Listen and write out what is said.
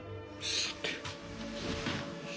さて。